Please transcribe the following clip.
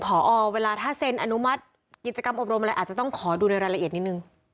พอเวลาถ้าเซ็นอนุมัติกิจกรรมอบรมอะไรอาจจะต้องขอดูในรายละเอียดนิดนึง